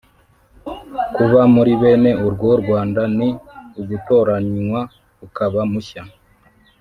kuba muri bene urwo rwanda ni ugutoranwa ukaba mushya